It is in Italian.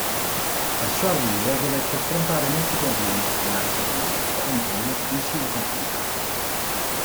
Al suo arrivo, dovette affrontare molti problemi sul bilancio economico, o meglio crisi economica.